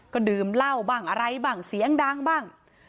ก็ดื่มเหล้าบ้างอะไรบ้างเสียงดังบ้าง